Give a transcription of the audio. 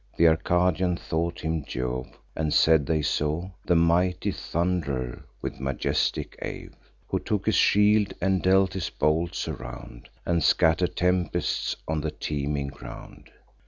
Th' Arcadians thought him Jove; and said they saw The mighty Thund'rer with majestic awe, Who took his shield, and dealt his bolts around, And scatter'd tempests on the teeming ground.